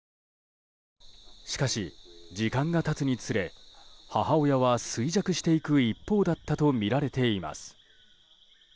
しかし、時間が経つにつれ母親は衰弱していく一方だったとみられています。